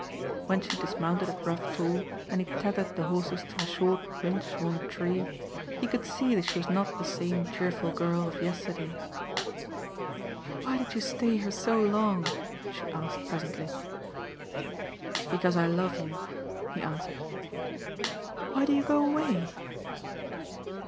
When she dismounted at Rough Tor and he tethered the horses to a short wind shorn tree he could see she was not the same cheerful girl of yesterday. "Why did you stay here so long?" she asked presently. "Because I love you," he answered. "Why do you go away?"